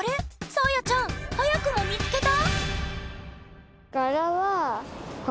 さあやちゃん早くも見つけた？